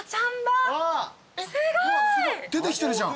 すごい！出てきてるじゃん。